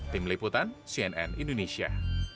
tim liputan cnn indonesia